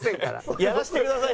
「やらせてください！」